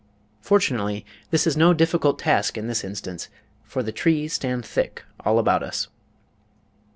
Fortunately, this is no difficult task, in this instance, for the trees stand thick all about us.